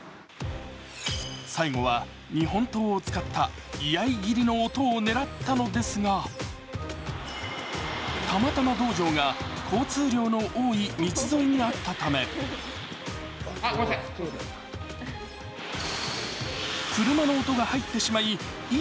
最後は日本刀を使った居合斬りの音を狙ったのですがたまたま道場が交通量の多い道沿いにあったため車の音が入ってしまいいい